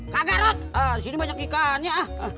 kagak rot disini banyak ikannya